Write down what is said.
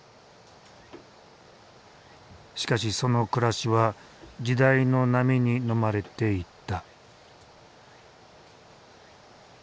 しかしその暮らしは時代の波にのまれていった。